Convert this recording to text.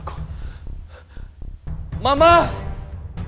aku akan kembali sama aku